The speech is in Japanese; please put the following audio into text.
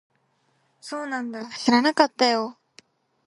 そうなんだ。知らなかったよ。